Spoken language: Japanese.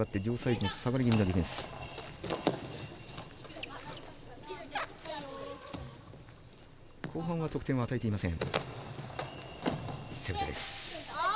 後半は得点を与えていません。